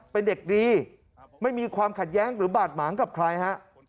เป็นเด็กดีไม่มีความขัดแย้งหรือบาดหมางกับใครฮะ